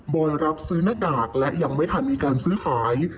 โดยรับซื้อหน้ากากและยังไม่ทันมีการซื้อขาย